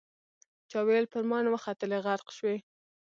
چا ویل پر ماین وختلې غرق شوې.